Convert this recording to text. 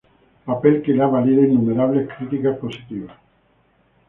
Papel que le ha valido innumerables críticas positivas.